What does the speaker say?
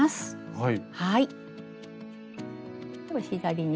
はい。